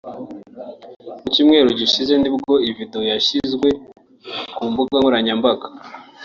Mu cyumweru gishize nibwo iyi vedewo yashyizwe ku mbuga nkoranyambaga